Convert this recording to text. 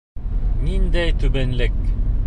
Ниндәй түбәнлек!